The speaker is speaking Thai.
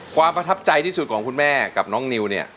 ประทับใจที่สุดของคุณแม่กับน้องนิวเนี่ย